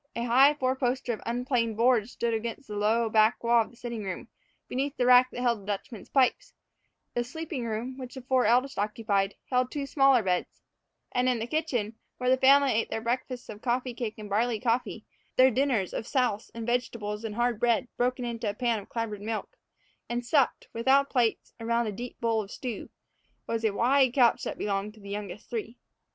A high four poster of unplaned boards stood against the low back wall of the sitting room, beneath the rack that held the Dutchman's pipes; the sleeping room, which the four eldest children occupied, held two smaller beds; and in the kitchen where the family ate their breakfasts of coffee cake and barley coffee, their dinners of souse and vegetables and hard bread broken into a pan of clabbered milk, and supped, without plates, around a deep bowl of stew was a wide couch that belonged to the youngest three.